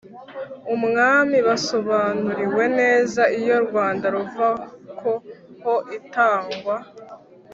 umwami basobanuriwe neza iyo rwanda ruva ko ho itagwa